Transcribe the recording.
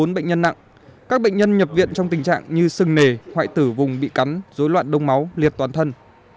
bốn bệnh nhân nặng các bệnh nhân nhập viện trong tình trạng như sưng nề hoại tử vùng bị cắn dối loạn đông máu liệt toàn thân